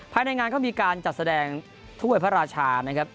ภายในงานก็มีการจัดแสดงถ้วยพระราชานะครับ